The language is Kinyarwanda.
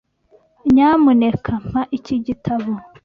Nyamuneka mpa iki gitabo.